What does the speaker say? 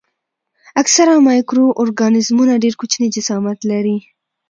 اکثره مایکرو ارګانیزمونه ډېر کوچني جسامت لري.